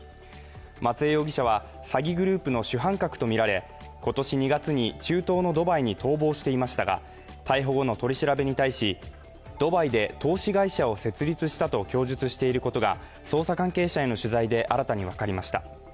松江容疑者は、詐欺グループの主犯格とみられ今年２月に中東のドバイに逃亡していましたが逮捕後の取り調べに対し、ドバイで投資会社を設立したと供述していることが捜査関係者への取材で新たに分かりました。